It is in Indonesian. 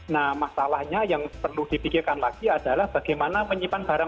nah masalahnya yang perlu dipikirkan lagi adalah bagaimana menyimpan barang